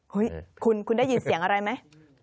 เฮ้ยคุณได้ยินเสียงอะไรไหม